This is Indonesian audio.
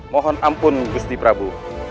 mohon ampun ustin prabu